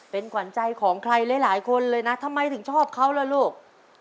เป็นขวัญใจของใครหลายคนเลยนะทำไมถึงชอบเขาล่ะลูก